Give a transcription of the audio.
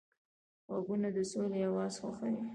غوږونه د سولې اواز خوښوي